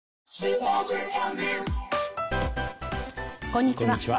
こんにちは。